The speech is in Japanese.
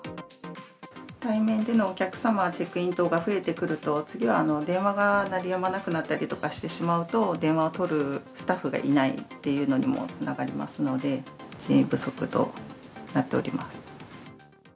対面でのお客様のチェックイン等が増えてくると、次は電話が鳴りやまなくなったりとかしてしまうと、電話を取るスタッフがいないというのにもつながりますので、人員不足となっております。